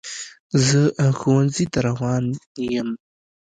زه ښوونځي ته روان یم.